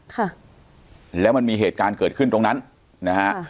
ค่ะแล้วมันมีเหตุการณ์เกิดขึ้นตรงนั้นนะฮะ